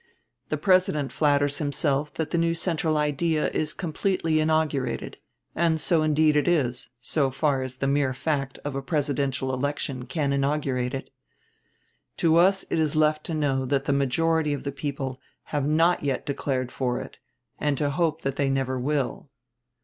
The President flatters himself that the new central idea is completely inaugurated; and so indeed it is, so far as the mere fact of a presidential election can inaugurate it. To us it is left to know that the majority of the people have not yet declared for it, and to hope that they never will.